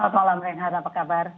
selamat malam reinhardt apa kabar